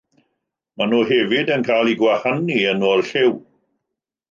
Maen nhw hefyd yn cael eu gwahanu yn ôl lliw.